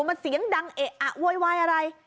มันเสียงดังเอะอะโวยวายอะไร